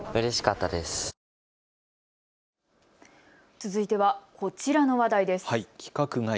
続いては、こちらの話題です。